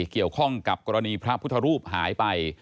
เกี่ยวข้องกับกรณีพระพุทธรูปหายไป